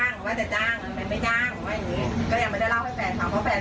มันพูดว่าผมให้ทำนั้นแล้วมันก็ยกตัวไว้